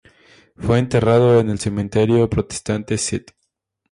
Fue enterrado en el cementerio protestante St.